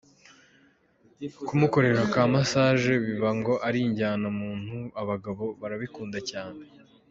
Kumukorera ka massage biba ngo ari injyana muntu ,abagabo barabikunda cyane.